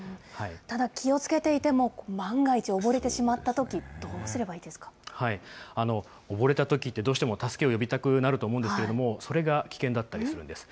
ただ、気をつけていても、万が一溺れてしまったとき、どうす溺れたときってどうしても助けを呼びたくなると思うんですけれども、それが危険だったりするんです。